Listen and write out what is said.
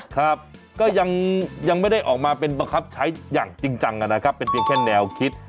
ครับก็ยังไม่ได้ออกมาเป็นบังคับใช้อย่างจริงจังนะครับเป็นเพียงแค่แนวคิด